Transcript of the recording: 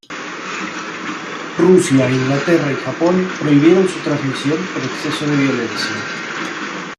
Rusia, Inglaterra y Japón prohibieron su trasmisión por exceso de violencia.